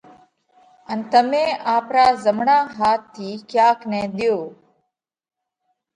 ان تمي آپرا زمڻا هاٿ ٿِي ڪياڪ نئہ ۮيوه